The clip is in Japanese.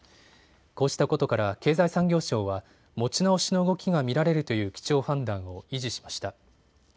こうしたことから経済産業省は持ち直しの動きが見られるという基調判断を維持しました。